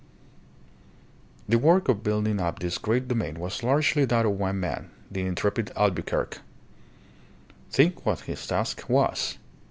The work of building up this great domain was largely that of one man, the intrepid Albuquerque. Think what his task was!